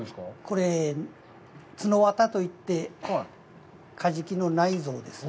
これ、つのわたといって、カジキの内臓ですね。